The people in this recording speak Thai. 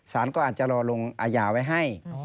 สารก็อาจจะรอลงอาญาไว้ให้